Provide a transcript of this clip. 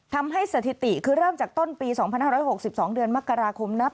สถิติคือเริ่มจากต้นปี๒๕๖๒เดือนมกราคมนับ